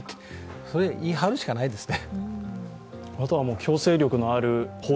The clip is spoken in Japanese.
そう言い張るしかないですね。